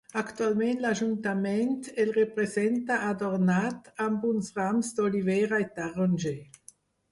Actualment l'Ajuntament el representa adornat amb uns rams d'olivera i taronger.